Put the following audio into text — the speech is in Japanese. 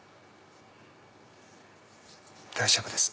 大丈夫です。